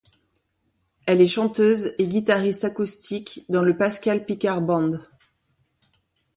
Elle est chanteuse et guitariste acoustique dans le Pascale Picard Band.